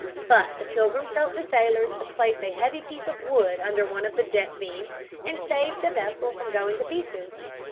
But the Pilgrims helped the sailors to place a heavy piece of wood under one of the deck beams and saved the vessel from going to pieces.